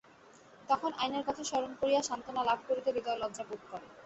তখন আইনের কথা স্মরণ করিয়া সান্ত্বনা লাভ করিতে হৃদয় লজ্জা বোধ করে।